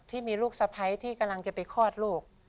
ที่มีลูกสะพ้ายที่กำลังจะไปคลอดลูก